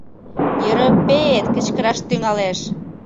— Ерӧпеет кычкыраш тӱҥалеш.